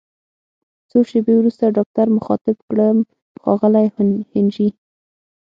څو شیبې وروسته ډاکټر مخاطب کړم: ښاغلی هنري!